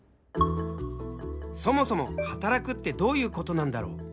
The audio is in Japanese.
そもそも働くってどういうことなんだろう？